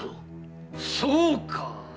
そうか！